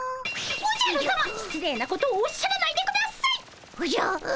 おじゃるさま失礼なことをおっしゃらないでください！